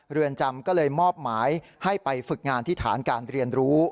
เรือนจำก็เลยมอบหมายให้ไปฝึกงานที่ฐานการเรียนรู้